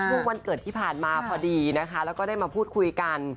วันเกิดที่ผ่านมาพอดีนะคะแล้วก็ได้มาพูดคุยกัน